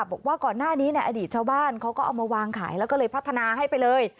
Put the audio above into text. บอกว่าก่อนหน้านี้ในอดีตชาวบ้านเขาก็เอามาวางขายแล้วก็เลยพัฒนาให้ไปเลย